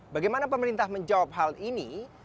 bagaimana pemerintah menjawab hal ini